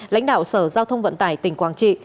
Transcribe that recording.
lãnh đạo sở giao thông vận tải tỉnh quảng trị